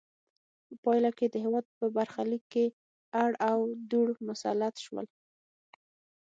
په پایله کې د هېواد په برخه لیک کې اړ او دوړ مسلط شول.